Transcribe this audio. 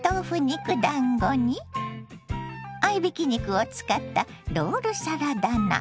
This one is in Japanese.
肉だんごに合いびき肉を使ったロールサラダ菜。